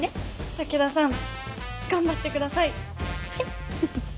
武田さん頑張ってください！